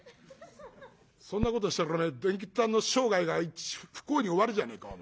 「そんなことしたら伝吉っつぁんの生涯が不幸に終わるじゃねえかおめえ。